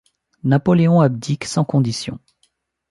Napoléon abdique sans condition.